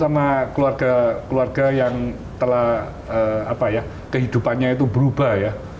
sama keluarga keluarga yang telah kehidupannya itu berubah ya